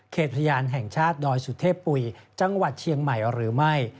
พยานแห่งชาติดอยสุเทพปุ๋ยจังหวัดเชียงใหม่หรือไม่